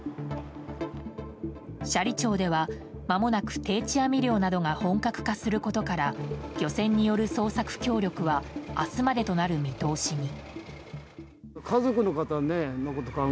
斜里町では、まもなく定置網漁などが本格化することから漁船による捜索協力は明日までとなる見通しに。